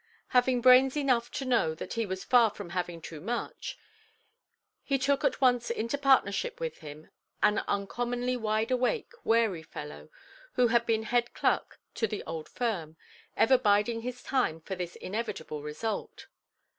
Having brains enough to know that he was far from having too much, he took at once into partnership with him an uncommonly wide–awake, wary fellow, who had been head–clerk to the old firm, ever biding his time for this inevitable result.